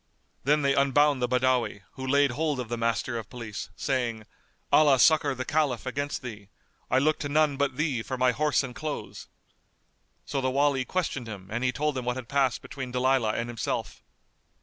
Then they unbound the Badawi, who laid hold of the Master of Police, saying, "Allah succour the Caliph against thee! I look to none but thee for my horse and clothes!" So the Wali questioned him and he told him what had passed between Dalilah and himself.